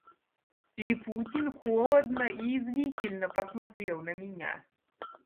Липутин холодно и язвительно посмотрел на меня.